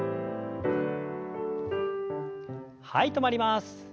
はい止まります。